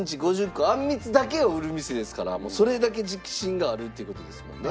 １日５０個あんみつだけを売る店ですからそれだけ自信があるっていう事ですもんね。